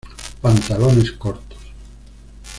Pantalones cortos".